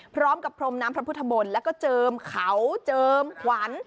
พร้อมกับพรมน้ำพระพุทธมนต์แล้วก็เจิมเขาเจิมขวัญ